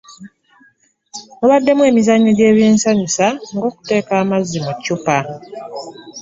Mubaddemu emizannyo gy'ebyensanyusa nga okuteeka amazzi mu ccupa